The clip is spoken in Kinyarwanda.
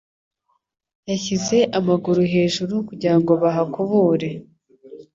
Yashyize amaguru hejuru kugirango bahakubure.